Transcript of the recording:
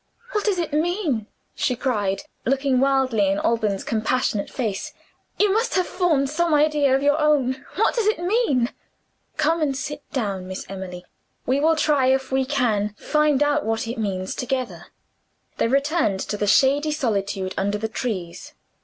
"What does it mean?" she cried, looking wildly in Alban's compassionate face. "You must have formed some idea of your own. What does it mean?" "Come, and sit down, Miss Emily. We will try if we can find out what it means, together." They returned to the shady solitude under the trees.